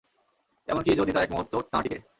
এমনকি যদি তা এক মুহূর্তও না টিকে।